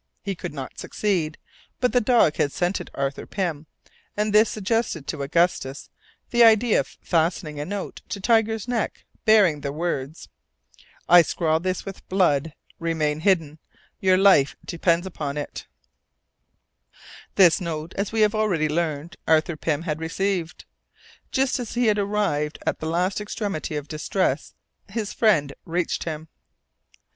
He could not succeed, but the dog had scented Arthur Pym, and this suggested to Augustus the idea of fastening a note to Tiger's neck bearing the words: "I scrawl this with blood remain hidden your life depends on it " This note, as we have already learned, Arthur Pym had received. Just as he had arrived at the last extremity of distress his friend reached him.